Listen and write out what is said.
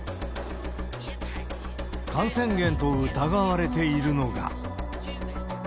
感染源と疑われているのが。